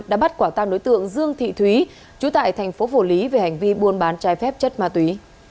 đã bắt quả tang đối tượng dương thị thúy chú tại thành phố phủ lý về hành vi buôn bán trái phép chất ma túy